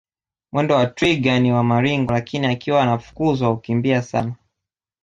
Mwendo wa twiga ni wa maringo lakini akiwa anafukuzwa hukimbia sana